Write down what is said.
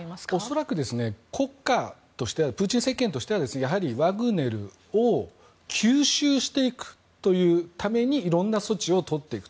恐らく、国家としてはプーチン政権としてはやはりワグネルを吸収していくためにいろんな措置をとっていく。